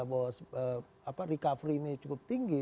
bahwa recovery ini cukup tinggi